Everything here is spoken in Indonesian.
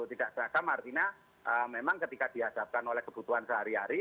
tidak seragam artinya memang ketika dihadapkan oleh kebutuhan sehari hari